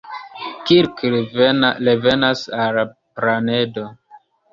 Kirk revenas al la planedo.